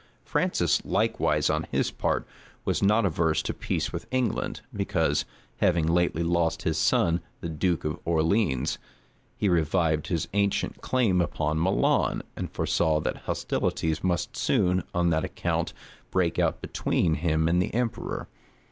Francis likewise, on his part, was not averse to peace with England; because, having lately lost his son, the duke of Orleans, he revived his ancient claim upon Milan, and foresaw that hostilities must soon, on that account, break out between him and the emperor.